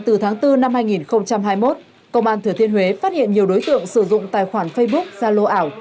từ tháng bốn năm hai nghìn hai mươi một công an thừa thiên huế phát hiện nhiều đối tượng sử dụng tài khoản facebook ra lô ảo